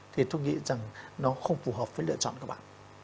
thì tôi nghĩ rằng nó không phù hợp với lựa chọn của các bạn